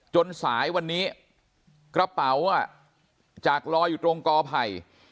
สายวันนี้กระเป๋าจากลอยอยู่ตรงกอไผ่